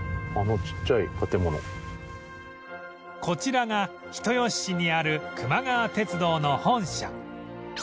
こちらが人吉市にあるくま川鉄道の本社